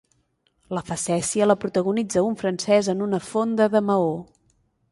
La facècia la protagonitza un francès en una fonda de Maó.